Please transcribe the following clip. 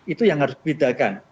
itu yang harus dibedakan